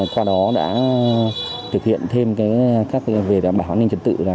qua đó đã thực hiện thêm về đảm bảo an ninh trật tự